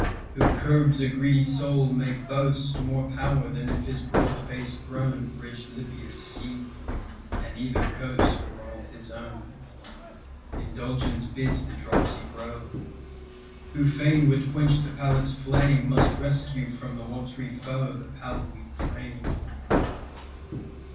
Who curbs a greedy soul may boast More power than if his broad based throne Bridged Libya's sea, and either coast Were all his own. Indulgence bids the dropsy grow; Who fain would quench the palate's flame Must rescue from the watery foe The pale weak frame.